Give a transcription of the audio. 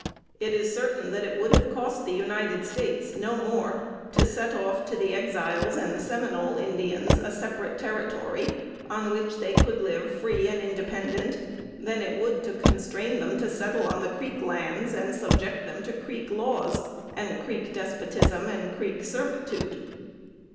It is certain, that it would have cost the United States no more to set off to the Exiles and Seminole Indians a separate territory, on which they could live free and independent, than it would to constrain them to settle on the Creek lands, and subject them to Creek laws, and Creek despotism, and Creek servitude.